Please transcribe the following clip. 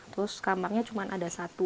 terus kambangnya cuma ada satu